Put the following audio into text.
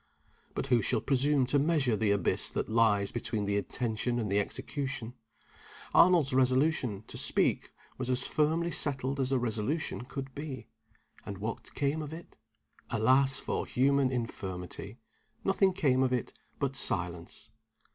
But who shall presume to measure the abyss that lies between the Intention and the Execution? Arnold's resolution to speak was as firmly settled as a resolution could be. And what came of it? Alas for human infirmity! Nothing came of it but silence.